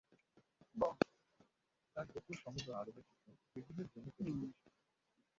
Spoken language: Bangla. তার গোত্র সমগ্র আরবে যুদ্ধ-বিগ্রহের জন্য প্রসিদ্ধ ছিল।